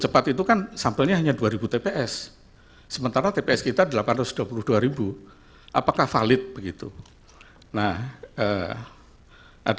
cepat itu kan sampelnya hanya dua ribu tps sementara tps kita delapan ratus dua puluh dua apakah valid begitu nah ada